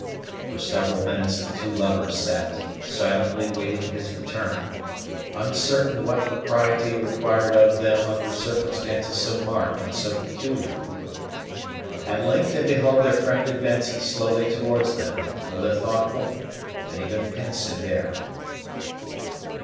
For several minutes the two lovers sat, silently waiting his return, uncertain what propriety required of them under circumstances so marked and so peculiar. At length they beheld their friend advancing slowly towards them, with a thoughtful and even pensive air.